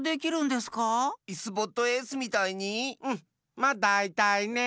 まだいたいねえ！